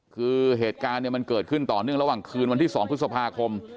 คือเหตุการณ์เนี่ยมันเกิดขึ้นต่อเนื่องระหว่างคืนวันที่๒พฤษภาคม